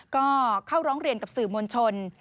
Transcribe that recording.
ก็เข้าร้องเรียนกับสื่อมวลชน